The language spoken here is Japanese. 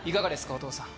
お義父さん。